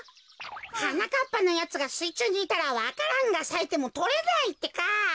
はなかっぱのやつがすいちゅうにいたらわか蘭がさいてもとれないってか。